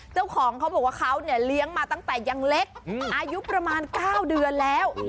เจ้าของเขาบอกว่าเขาเนี่ยเลี้ยงมาตั้งแต่ยังเล็กอายุประมาณ๙เดือนแล้ว